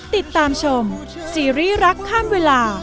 ติดตามชมซีรีส์รักข้ามเวลา